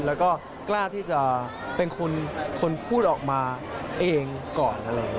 แล้วก็กล้าที่จะเป็นคนพูดออกมาเองก่อนเลย